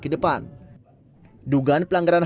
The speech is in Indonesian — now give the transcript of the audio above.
ke depan dugaan pelanggaran